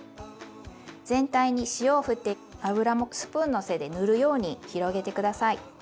全体に塩をふって油もスプーンの背で塗るように広げて下さい。